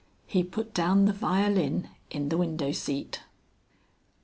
He put down the violin in the window seat.